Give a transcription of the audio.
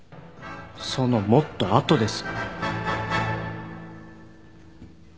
そのもっと後です。